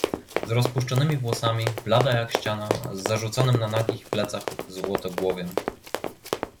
"Z rozpuszczonymi włosami, blada jak ściana, z zarzuconym na nagich plecach złotogłowiem."